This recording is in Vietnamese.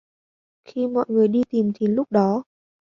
Khi mọi người đi tìm thì lúc đó